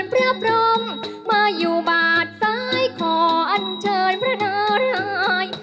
เพื่อพร้อมมาอยู่บาดซ้ายขออันเชิญพระนราย